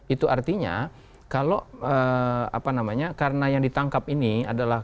itu artinya kalau apa namanya karena yang ditangkap ini adalah